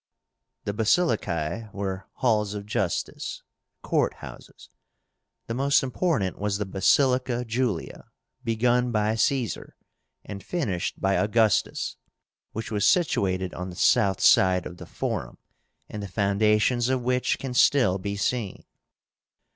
The BASILICAE were halls of justice (court houses). The most important was the Basilica Julia, begun by Caesar and finished by Augustus, which was situated on the south side of the Forum, and the foundations of which can still be seen.